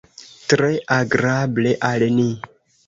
Tre agrable al ni!